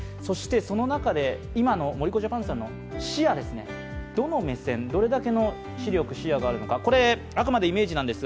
その中で今のＭＯＲＩＫＯＪＡＰＡＮさんの視野、どの目線、どれだけの視力、視野があるのか、これはあくまでイメージです。